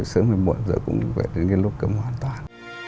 sớm hay muộn rồi cũng phải đến cái lúc cấm hoàn toàn